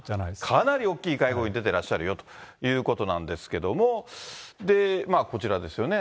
かなり大きい会合に出てらっしゃるよということなんですけれども、こちらですよね。